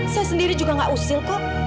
saya sendiri juga gak usil kok